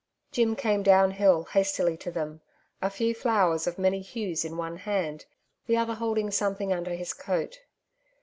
Jim came downhill hastily to them, a few flowers of many hues in one hand, the other holding something under his coat.